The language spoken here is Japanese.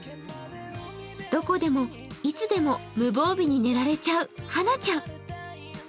どこでもいつでも無防備に眠れちゃうはなちゃん。